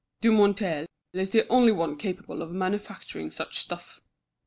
"Dumonteil is the only one capable of manufacturing such stuff.